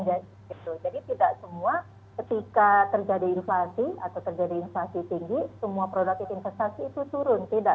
jadi tidak semua ketika terjadi inflasi atau terjadi inflasi tinggi semua produk investasi itu turun